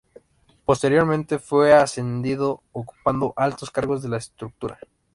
Posteriormente, fue ascendiendo, ocupando altos cargos de la estructura.